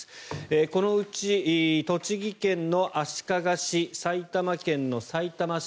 このうち栃木県の足利市埼玉県のさいたま市